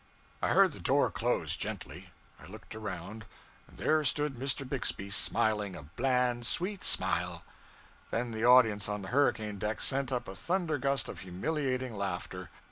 I heard the door close gently. I looked around, and there stood Mr. Bixby, smiling a bland, sweet smile. Then the audience on the hurricane deck sent up a thundergust of humiliating laughter.